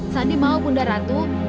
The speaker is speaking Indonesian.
sandi mau bunda ratu